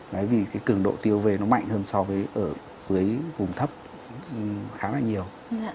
đấy vì cái cường độ tiêu về nó mạnh hơn so với ở dưới vùng thấp khá là nhiều